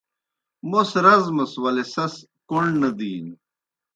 موْس زمَس ولے سیْس کوْݨ نہ دِینو۔